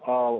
ini juga ya